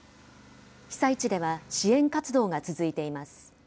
被災地では支援活動が続いています。